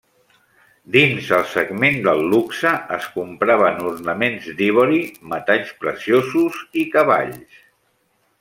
Dins el segment del luxe, es compraven ornaments d'ivori, metalls preciosos i cavalls.